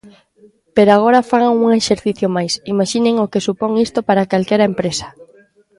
Pero agora fagan un exercicio máis: imaxinen o que supón isto para calquera empresa.